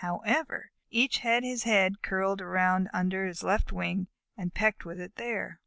However, each had his head curled around under his left wing, and pecked with it there.